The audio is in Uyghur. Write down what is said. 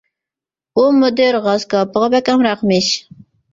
ئۇ مۇدىر غاز كاۋىپىغا بەك ئامراقمىش.